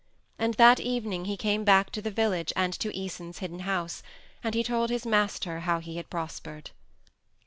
And that evening he came back to the village and to Æson's hidden house, and he told his master how he had prospered.